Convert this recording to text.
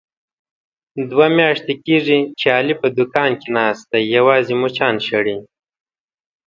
دوه میاشتې کېږي، چې علي په دوکان کې ناست دی یوازې مچان شړي.